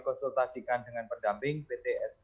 konsultasikan dengan pendamping bts